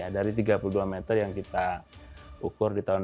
dari tiga puluh dua meter yang kita ukur di tahun dua ribu